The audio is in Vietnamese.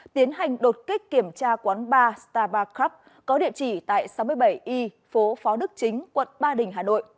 tiến hành đột kích kiểm tra quán bar star bar cup có địa chỉ tại sáu mươi bảy y phố phó đức chính quận ba đình hà nội